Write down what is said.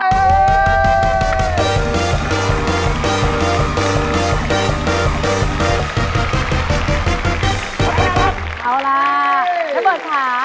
แปลกแปลกแปลกเอาล่ะน้ำเบิร์ดค่ะ